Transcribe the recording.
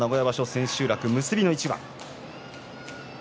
千秋楽結びの一番。